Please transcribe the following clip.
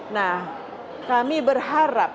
nah kami berharap